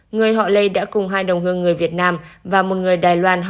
người họ lê đã cùng hai đồng hương người việt nam và một người đài loan